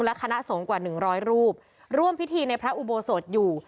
และคณะสงฆ์กว่าหนึ่งร้อยรูปร่วมพิธีในพระอุโบสถอยู่